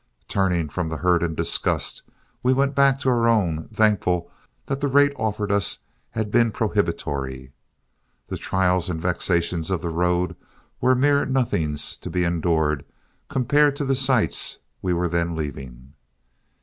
Turning from the herd in disgust, we went back to our own, thankful that the rate offered us had been prohibitory. The trials and vexations of the road were mere nothings to be endured, compared to the sights we were then leaving.